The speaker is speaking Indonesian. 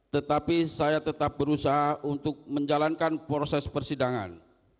tetapi saya tetap berusaha untuk menjalankan proses persidangan